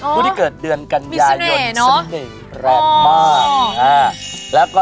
ผู้ที่เกิดเดือนกัญญายนสัญญแรกมาก